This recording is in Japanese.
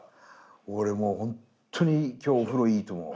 俺もうほんとに今日お風呂いいと思う。